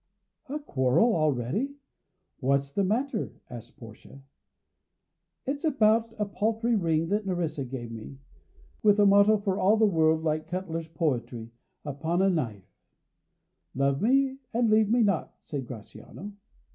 "A quarrel already? What's the matter?" asked Portia. "It's about a paltry ring that Nerissa gave me, with a motto for all the world like cutlers' poetry upon a knife, 'Love me and leave me not,'" said Gratiano.